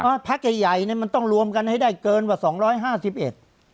เพราะพักใหญ่ใหญ่เนี้ยมันต้องรวมกันให้ได้เกินกว่าสองร้อยห้าสิบเอ็ด